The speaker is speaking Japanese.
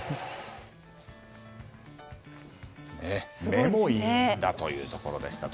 目もいいんだというところでした。